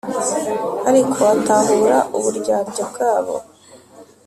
Ariko atahura uburyarya bwabo